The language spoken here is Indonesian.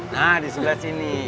nah disebelah sini